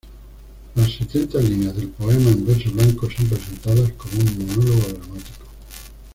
Las setenta líneas del poema en verso blanco son presentadas como un monólogo dramático.